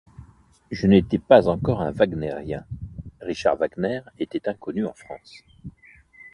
Je n'étais pas encore un wagnérien ; Richard Wagner était inconnu en France.